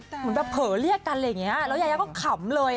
เหมือนแบบเผอเรียกกันเนี่ย